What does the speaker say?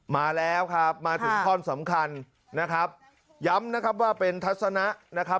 มาแล้วครับมาถึงท่อนสำคัญนะครับย้ำนะครับว่าเป็นทัศนะนะครับ